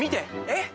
えっ？